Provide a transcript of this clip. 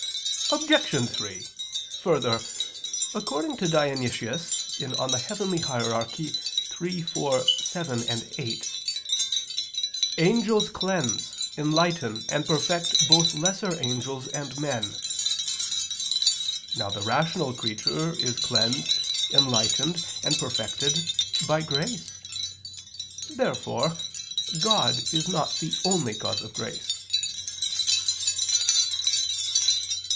Obj. 3: Further, according to Dionysius (Coel. Hier. iii, iv, vii, viii), "Angels cleanse, enlighten, and perfect both lesser angels and men." Now the rational creature is cleansed, enlightened, and perfected by grace. Therefore God is not the only cause of grace.